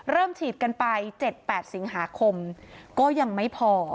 ฉีดกันไป๗๘สิงหาคมก็ยังไม่พอ